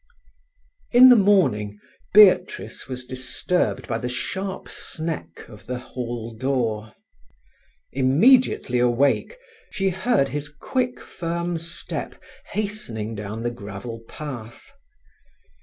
In the morning Beatrice was disturbed by the sharp sneck of the hall door. Immediately awake, she heard his quick, firm step hastening down the gravel path.